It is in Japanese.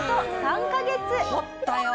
掘ったよ。